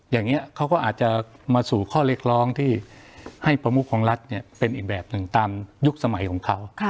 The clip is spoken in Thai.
อย่างนี้เขาก็อาจจะมาสู่ข้อเรียกร้องที่ให้ประมุขของรัฐเป็นอีกแบบหนึ่งตามยุคสมัยของเขา